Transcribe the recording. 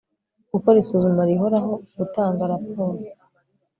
gukora isuzuma rihoraho, gutanga raporo